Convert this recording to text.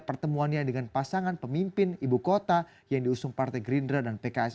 pertemuannya dengan pasangan pemimpin ibu kota yang diusung partai gerindra dan pks